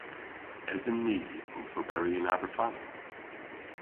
Esen ni owth oberi yn Aberfala?